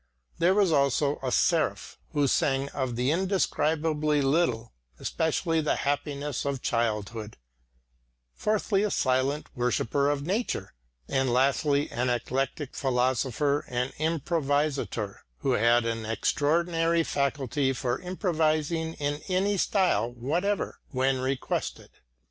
There was also a seraph who sang of the indescribably little, especially the happiness of childhood; fourthly, a silent worshipper of nature, and, lastly, an eclectic philosopher and improvisator, who had an extraordinary faculty for improvising in any style whatever, when requested.